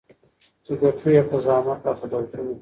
چي ګټو يې په زحمت او په دردونو